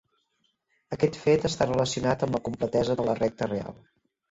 Aquest fet està relacionat amb la completesa de la recta real.